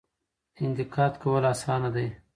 انتقاد کول اسانه دي.